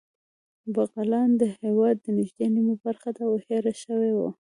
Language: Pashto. بغلان د هېواد نږدې نیمه برخه ده او هېره شوې وه